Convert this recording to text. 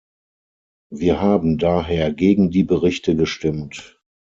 Wir haben daher gegen die Berichte gestimmt.